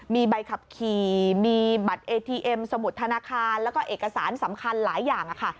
มีใบขับขี่มีบัตรเอทีเอ็มสมุดธนาคารแล้วก็เอกสารสำคัญหลายอย่างค่ะ